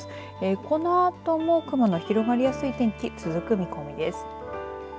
このあとも雲の広がりやすい天気続く見込みです。